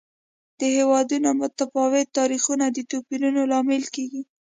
د هېوادونو متفاوت تاریخ د توپیرونو لامل کېږي.